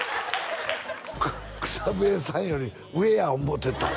草笛さんより上や思うてた？